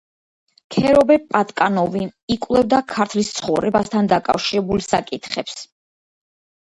ქერობე პატკანოვი იკვლევდა „ქართლის ცხოვრებასთან“ დაკავშირებულ საკითხებს.